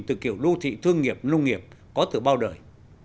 từ kiểu đô thị thương nghiệp nông nghiệp có từ bao đời